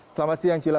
selamat siang cila